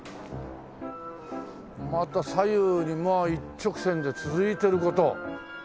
また左右にまあ一直線で続いてる事。